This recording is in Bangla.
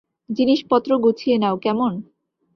জিনিসপত্র গুছিয়ে নাও, কেমন?